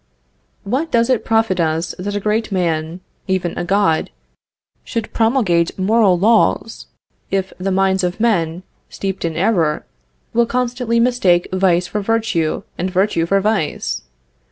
What does it profit us that a great man, even a God, should promulgate moral laws, if the minds of men, steeped in error, will constantly mistake vice for virtue, and virtue for vice?